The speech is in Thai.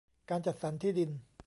การจัดสรรที่ดิน